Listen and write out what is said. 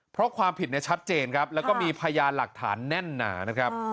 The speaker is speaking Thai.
เพราะความผิดชัดเจนครับแล้วก็มีพยานหลักฐานแน่นหนานะครับ